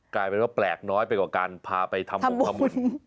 กลายเป็นว่าแปลกน้อยไปกว่าการพาไปทำวงทำบุญ